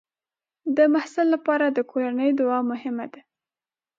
د محصل لپاره د کورنۍ دعا مهمه ده.